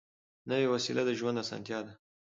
نوې وسیله د ژوند اسانتیا ده